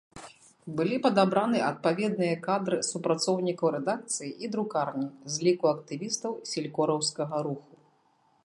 Былі падабраны адпаведныя кадры супрацоўнікаў рэдакцыі і друкарні з ліку актывістаў селькораўскага руху.